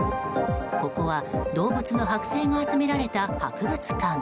ここは動物の剥製が集められた博物館。